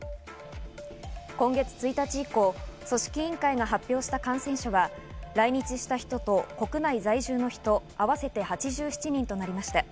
今月１日以降、組織委員会が発表した感染者は来日した人と国内在住の人、合わせて８７人となりました。